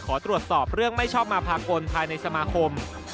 ขอตรวจสอบเรื่องไม่ชอบมาพากลภายในสมาคม